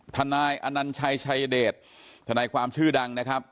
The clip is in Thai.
ทนายอนัญชัยชัยเดชทนายความชื่อดังนะครับ